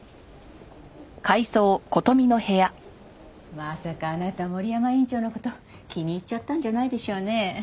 まさかあなた森山院長の事気に入っちゃったんじゃないでしょうね？